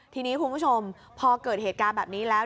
ทีนี้คุณผู้ชมพอเกิดเหตุการณ์แบบนี้แล้ว